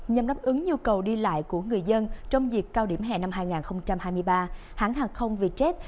nhằm đáp ứng nhu cầu đi lại của người dân trong dịp cao điểm hè năm hai nghìn hai mươi ba hãng hàng không vietjet